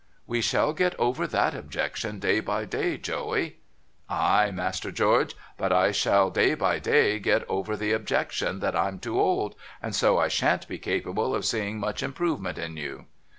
' We shall get over that objection day by day, Joey.' ' Ay, Master George ; but I shall day by day get over the objection that I'm too old, and so I shan't be capable of seeing much improvement in you.'